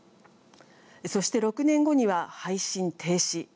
そして、６年後には配信停止。